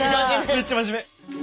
めっちゃ真面目。